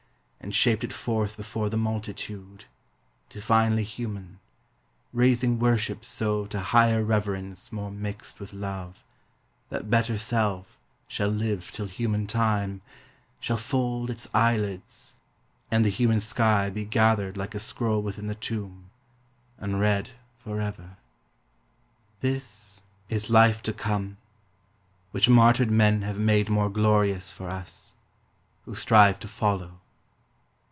And shaped it forth before the multitude, Divinely human, raising worship so To higher reverence more mixed with love, That better self shall live till human Time Shall fold its eyelids, and the human sky Be gathered like a scroll within the tomb, Unread forever. This is life to come. Which martyred men have made more glorious For us, who strive to follow.